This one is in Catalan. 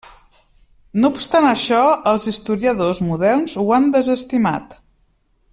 No obstant això, els historiadors moderns ho han desestimat.